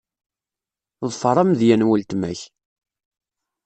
Ḍfeṛ amedya n weltma-k.